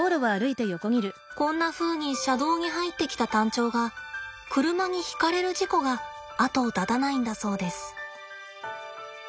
こんなふうに車道に入ってきたタンチョウが車にひかれる事故が後を絶たないんだそうです。